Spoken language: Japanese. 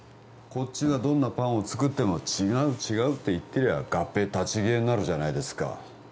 こっちがどんなパンを作っても違う違うって言ってりゃ合併立ち消えになるじゃないですか